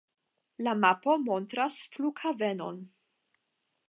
La mapo montras flughavenon.